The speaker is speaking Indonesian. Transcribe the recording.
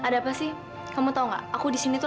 dian baru tidur